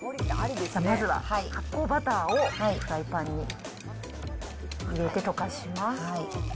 まずは発酵バターをフライパンに入れて溶かします。